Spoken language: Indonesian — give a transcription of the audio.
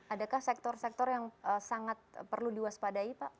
adakah sektor sektor yang sangat perlu diwaspadai pak